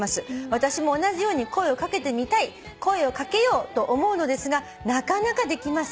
「私も同じように声をかけてみたい声をかけようと思うのですがなかなかできません」